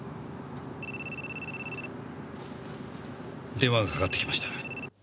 電話がかかってきました。